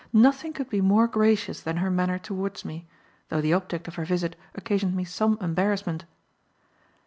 Nothing could be more gracious than her manner towards me, though the object of her visit occasioned me some embarrassment.